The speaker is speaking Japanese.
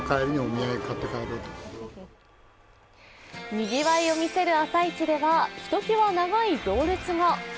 にぎわいを見せる朝市では、ひときわ長い行列が。